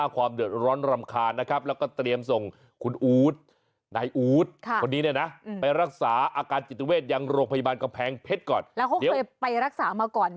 มันไม่เหมือนเขาควายแหละค่ะ